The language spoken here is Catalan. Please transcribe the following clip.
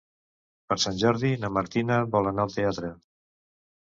Per Sant Jordi na Martina vol anar al teatre.